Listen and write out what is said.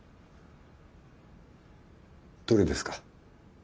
どれですか？